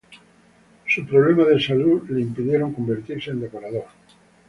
Sus problemas de salud le impidieron convertirse en decorador.